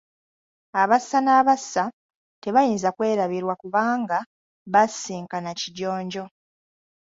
Abassa n’abassa tebayinza kwerabirwa kubanga baasisinkana Kijonjo.